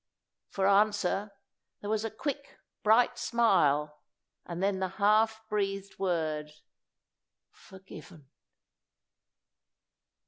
For answer, there was a quick, bright smile, and then the half breathed word "Forgiven."